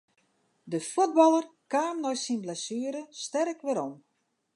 De fuotballer kaam nei syn blessuere sterk werom.